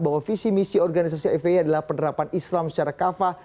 bahwa visi misi organisasi fpi adalah penerapan islam secara kafah